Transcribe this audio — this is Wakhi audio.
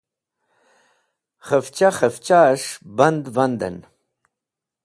Khefcha k̃hefchas̃h band vandẽn.